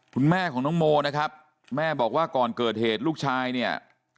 คุณแม่ของน้องโมนะครับแม่บอกว่าก่อนเกิดเหตุลูกชายเนี่ย